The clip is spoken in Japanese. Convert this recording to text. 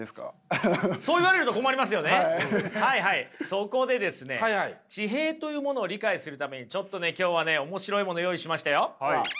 そこでですね地平というものを理解するためにちょっとね今日はね面白いもの用意しましたよ。